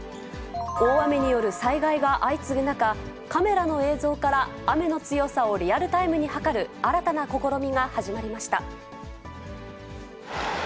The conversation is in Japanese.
大雨による災害が相次ぐ中、カメラの映像から雨の強さをリアルタイムに測る新たな試みが始ま